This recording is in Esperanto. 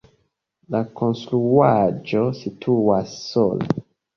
La konstruaĵo situas sola.